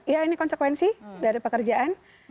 ya ini konsekuensi dari pekerjaan